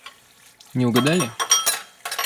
Не угадали?